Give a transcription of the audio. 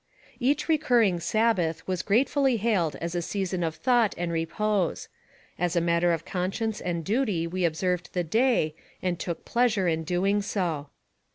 Each recurring Sabbath was gratefully hailed as a season of thought and repose ; as a matter of conscience and duty we observed the day, and took pleasure in doing so.